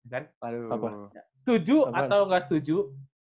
tujuh atau gak setuju